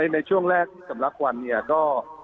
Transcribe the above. ในช่วงแรกที่สำรักวันเนี่ยก็